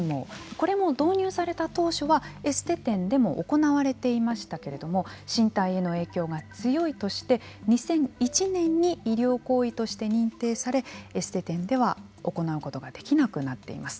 これも導入された当初はエステ店でも行われていましたけれども身体への影響が強いとして２００１年に医療行為として認定されエステ店では行うことができなくなっています。